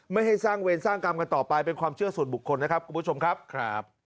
ไม่ให้สร้างเวรสร้างกรรมกันต่อไปเป็นความเชื่อส่วนบุคคลนะครับคุณผู้ชมครับ